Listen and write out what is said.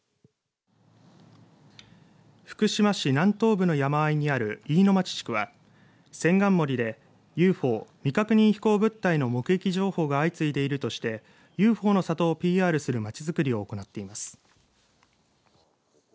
福島市南東部の山あいにある飯野町地区は千貫森でＵＦＯ、未確認飛行物体の目撃情報が相次いでいるとしてＵＦＯの里をＰＲするまちづくりを行っています。